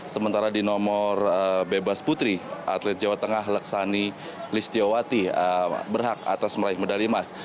sementara di nomor bebas putri atlet jawa tengah laksani listiawati berhak atas meraih medali emas